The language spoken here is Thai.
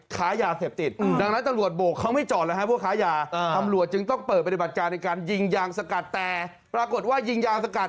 ค้ายาเสพติดดังนั้นตำรวจโบกเขาไม่จอดเลยฮะพวกค้ายาตำรวจจึงต้องเปิดปฏิบัติการในการยิงยางสกัดแต่ปรากฏว่ายิงยางสกัด